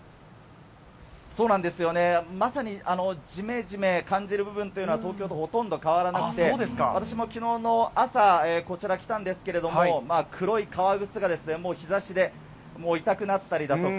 そうなんですよね、まさに、じめじめ感じる部分というのは東京とほとんど変わらなくて、私もきのうの朝、こちら来たんですけれども、黒い革靴がもう日ざしでもう痛くなったりだとか。